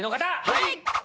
はい！